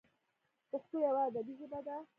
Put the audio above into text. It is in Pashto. پښتو یوه ادبي ژبه ده.